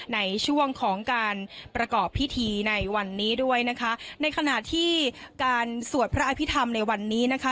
ในช่วงของการประกอบพิธีในวันนี้ด้วยนะคะในขณะที่การสวดพระอภิษฐรรมในวันนี้นะคะ